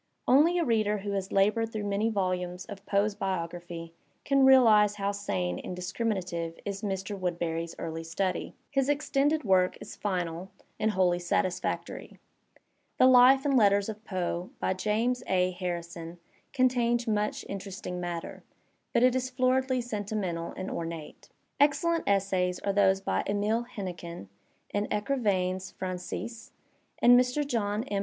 Only a reader who has laboured through many volumes of Poe biography can realize how sane and discriminative is Mr. Woodberry's early study. His extended work is final and wholly satis Digitized by Google 154 THE SPIRIT OF AMERICAN LITERATURE factory. "The life and Letters of Poe," by James A. Har risoiiy contains much interesting matter, but it is floridly sentimental and ornate. Excellent essays are those by Emile Hennequin in "Ecrivains Francises," and Mr. John M.